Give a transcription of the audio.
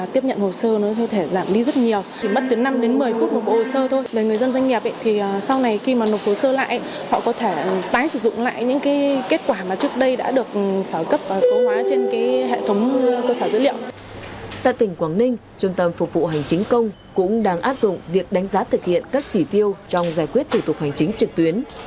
tại tỉnh quảng ninh trung tâm phục vụ hành chính công cũng đang áp dụng việc đánh giá thực hiện các chỉ tiêu trong giải quyết thủ tục hành chính trực tuyến